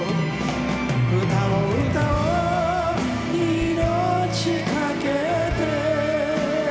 「歌を歌おう生命かけて」